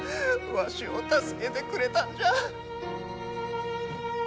わしを助けてくれたんじゃ。